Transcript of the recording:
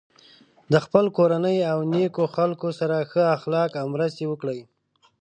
د خپل کورنۍ او نیکو خلکو سره ښه اخلاق او مرستې وکړی.